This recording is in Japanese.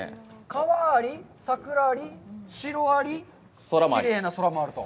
川あり、桜あり、城あり、きれいな空もあると。